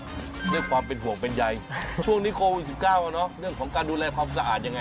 ด้วยความเป็นห่วงเป็นใยช่วงนี้โควิด๑๙เรื่องของการดูแลความสะอาดยังไง